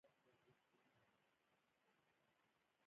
د لوستلو عادت د فعال توکي په توګه تاسي ته ذهني سکون درکړي